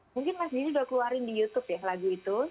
mungkin mas didi sudah keluarin di youtube ya lagu itu